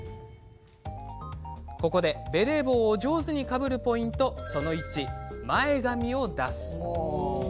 ここでベレー帽上手にかぶるかぶり方その１、前髪を出す。